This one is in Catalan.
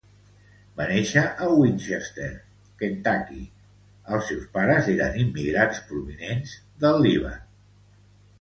Va néixer a Winchester, Kentucky, els seus pares eren immigrants provinents del Líban.